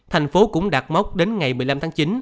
thành phố cũng đặt mốc đến ngày một mươi năm tháng chín